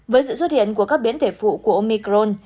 với sự xuất hiện của các biến thể phụ của omicron